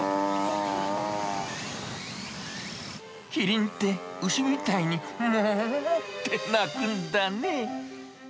キリンって、牛みたいにもーって鳴くんだね。